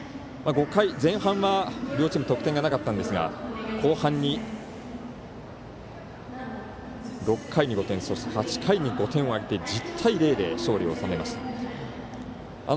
５回前半は両チーム得点がなかったんですが後半に６回に５点そして、８回に５点を挙げて１０対０で勝利を収めました。